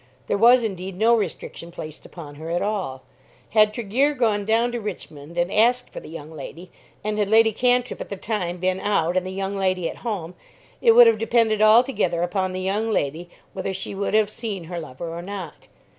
There was indeed no restriction placed upon her at all. Had Tregear gone down to Richmond and asked for the young lady, and had Lady Cantrip at the time been out and the young lady at home, it would have depended altogether upon the young lady whether she would have seen her lover or not.